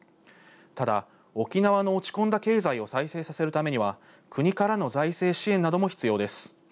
ただ沖縄の落ち込んだ経済を再生させるためには国からの財政支援なども必要です。